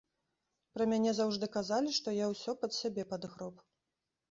Пра мяне заўжды казалі, што я ўсё пад сябе падгроб.